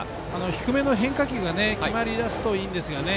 低めの変化球が決まりだすといいんですよね。